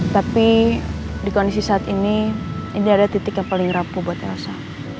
tapi di kondisi saat ini ini adalah titik yang paling rapuh buat elsa